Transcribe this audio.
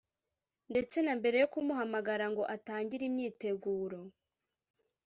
ndetse na mbere yo kumuhamagara ngo atangire imyiteguro"